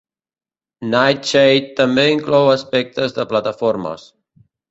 "Nightshade" també inclou aspectes de plataformes.